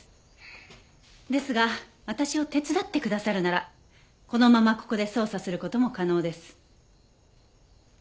ですが私を手伝ってくださるならこのままここで捜査する事も可能です。